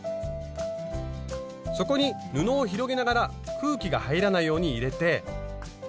そこに布を広げながら空気が入らないように入れて。